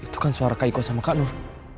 bukan suara kak iko sama kak nur